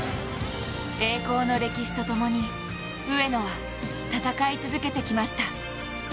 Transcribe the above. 栄光の歴史とともに上野は戦い続けてきました。